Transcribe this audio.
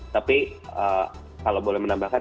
tapi kalau boleh menambahkan